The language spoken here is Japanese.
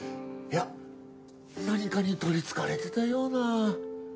いや何かに取り憑かれてたような。